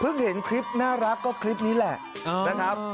เห็นคลิปน่ารักก็คลิปนี้แหละนะครับ